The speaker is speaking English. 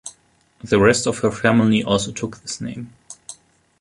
The rest of her family also took this name.